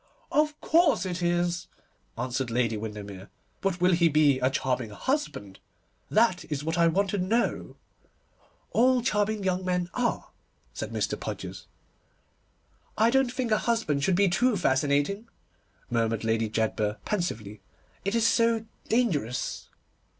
'Of course it is!' answered Lady Windermere, 'but will he be a charming husband? That is what I want to know.' 'All charming young men are,' said Mr. Podgers. 'I don't think a husband should be too fascinating,' murmured Lady Jedburgh pensively, 'it is so dangerous.